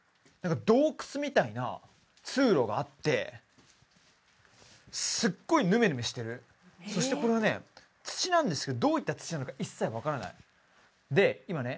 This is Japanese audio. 洞窟みたいな通路があってすっごいヌメヌメしてるそしてこれはね土なんですけどどういった土なのか一切分からないで今ね